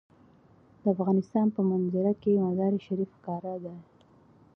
د افغانستان په منظره کې مزارشریف ښکاره ده.